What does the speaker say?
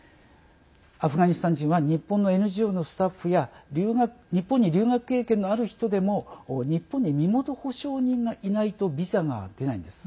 アフガニスタン人は日本のＮＧＯのスタッフや日本に留学経験のある人でも日本に身元保証人がいないとビザが出ないんです。